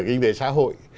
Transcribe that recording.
kinh tế xã hội